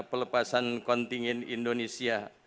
pelepasan kontingin indonesia